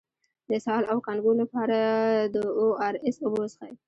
د اسهال او کانګو لپاره د او ار اس اوبه وڅښئ